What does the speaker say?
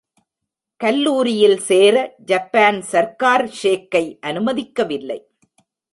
கல்லூரியில் சேர ஜப்பான் சர்க்கார் ஷேக்கை அனுமதிக்கவில்லை.